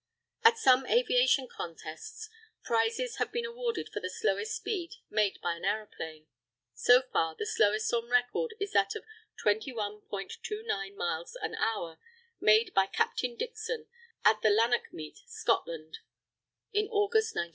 At some aviation contests, prizes have been awarded for the slowest speed made by an aeroplane. So far, the slowest on record is that of 21.29 miles an hour, made by Captain Dickson at the Lanark meet, Scotland, in August, 1910.